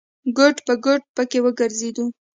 ګوټ په ګوټ پکې وګرځېدو.